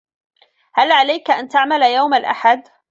هل عليك أن تعمل يوم الأحد؟